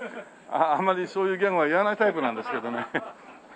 あまりそういうギャグは言わないタイプなんですけどね。